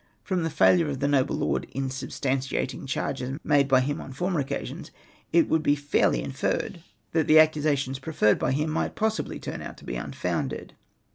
From the failure of the noble lord in substantiating charges made by him on former occa sions, it might be fairly inferred that accusations preferred by him might possibly turn out to be unfounded.